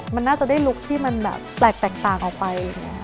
มันน่าจะได้ลุคที่มันแบบแปลกต่างออกไป